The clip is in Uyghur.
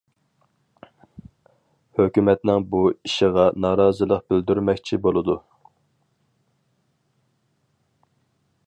ھۆكۈمەتنىڭ بۇ ئىشىغا نارازىلىق بىلدۈرمەكچى بولىدۇ.